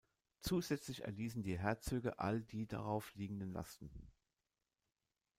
Zusätzlich erließen die Herzöge all die darauf liegenden Lasten.